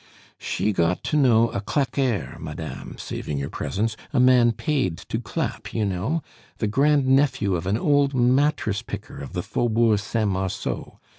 "She got to know a claqueur, madame, saving your presence, a man paid to clap, you know, the grand nephew of an old mattress picker of the Faubourg Saint Marceau.